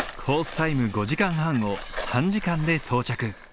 タイム５時間半を３時間で到着。